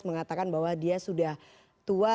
mengatakan bahwa dia sudah tua